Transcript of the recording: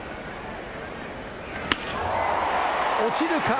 落ちるか？